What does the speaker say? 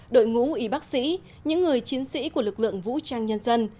đội ngũ y bác sĩ những người chiến sĩ của lực lượng vũ trang nhân dân